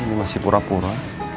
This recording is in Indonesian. ini masih pura pura